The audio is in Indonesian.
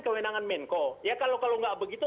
kewenangan menko ya kalau kalau nggak begitu